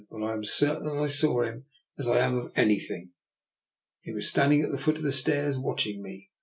But I am as certain I saw him as I am of anything. He was standing at the foot of the stairs watching me.